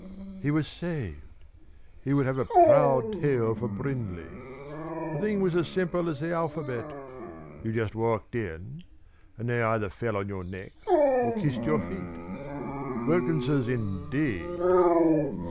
He was saved. He would have a proud tale for Brindley. The thing was as simple as the alphabet. You just walked in and they either fell on your neck or kissed your feet. Wilkins's indeed!